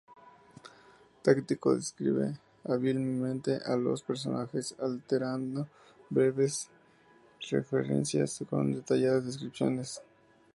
Tácito describe hábilmente a los personajes, alternando breves referencias con detalladas descripciones.